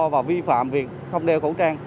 và vi phạm việc không đeo khẩu trang